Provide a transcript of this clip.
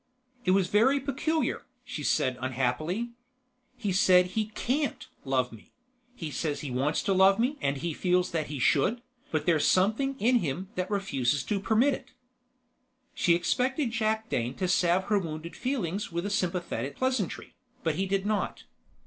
"It's very peculiar," she said unhappily. "He said he can't love me. He said he wants to love me and he feels that he should, but there's something in him that refuses to permit it." She expected Jakdane to salve her wounded feelings with a sympathetic pleasantry, but he did not.